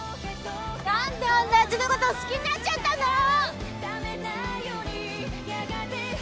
「何であんなやつのこと好きになっちゃったんだろ！」